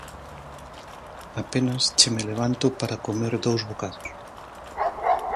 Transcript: Apenas che me levanto para comer dous bocados;